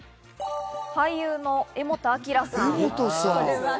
俳優の柄本明さん。